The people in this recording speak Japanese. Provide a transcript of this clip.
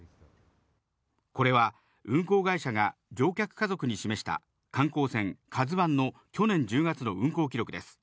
これは、運航会社が乗客家族に示した、観光船、カズワンの去年１０月の運航記録です。